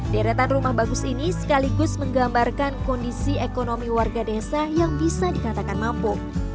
deretan rumah bagus ini sekaligus menggambarkan kondisi ekonomi warga desa yang bisa dikatakan mampu